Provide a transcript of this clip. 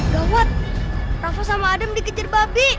gawat rafa sama adem dikecil babi